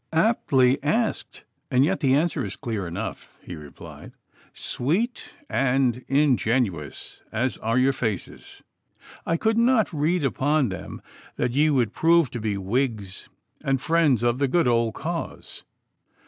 'Aptly asked, and yet the answer is clear enough,' he replied; 'sweet and ingenuous as are your faces, I could not read upon them that ye would prove to be Whigs and friends of the good old cause.